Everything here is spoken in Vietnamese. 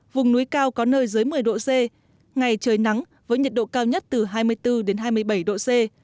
vùng núi cao có nơi dưới một mươi độ c ngày trời nắng với nhiệt độ cao nhất từ hai mươi bốn hai mươi bảy độ c